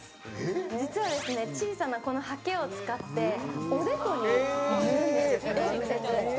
実は小さなこのはけを使っておでこに塗るんですよ。